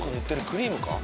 クリームか？